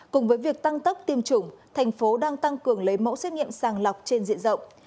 cùng với việc tăng tốc tiêm chủng thành phố đang tăng cường lấy mẫu xét nghiệm sàng lọc trên diện rộng